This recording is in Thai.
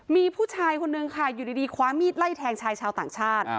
มีผู้ชายคนนึงค่ะอยู่ดีคว้ามีดไล่แทงชายชาวต่างชาติ